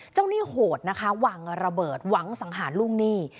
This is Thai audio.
เจ้านี่โหดนะคะหวังระเบิดหวังสังหารลูกนี่